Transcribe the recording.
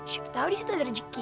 siapa tau disitu ada rezeki